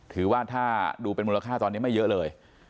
ถือว่าถ้าดูเป็นมูลค่าตอนนี้ไม่เยอะเลย